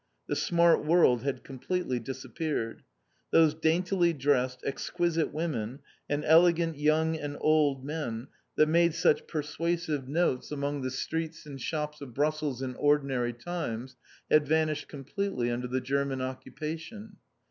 The smart world had completely disappeared. Those daintily dressed, exquisite women, and elegant young and old men, that made such persuasive notes among the streets and shops of Brussels in ordinary times, had vanished completely under the German occupation.